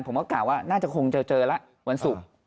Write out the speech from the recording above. ว่ากล่าวว่าน่าจะคงจะเจอแล้ววันศุกร์